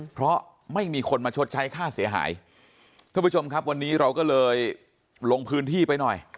เพราะไม่มีคนมาชดใช้ค่าเสียหายท่านผู้ชมครับวันนี้เราก็เลยลงพื้นที่ไปหน่อย